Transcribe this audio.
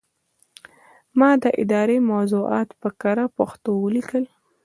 ما اداري موضوعات په کره پښتو ولیکل.